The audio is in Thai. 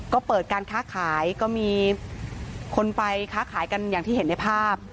ก็เปิดการค้าขายก็มีคนไปค้าขายกันอย่างที่เห็นในภาพ